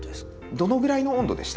どのぐらいの温度でした？